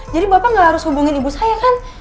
jadi bapak gak harus hubungin ibu saya kan